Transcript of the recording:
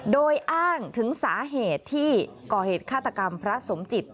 โดยอ้างถึงสาเหตุที่ก่อเหตุฆาตกรรมพระสมจิต